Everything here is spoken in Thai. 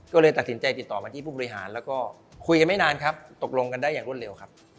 ก็เลยตัดสินใจติดต่อมาที่ผู้บริหารแล้วก็คุยกันไม่นานครับตกลงกันได้อย่างรวดเร็วครับ